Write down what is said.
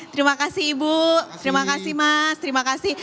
terima kasih ibu terima kasih mas terima kasih